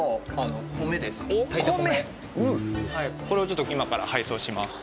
これをちょっと今から配送します。